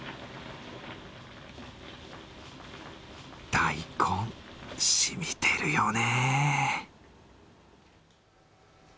大根、しみてるよね。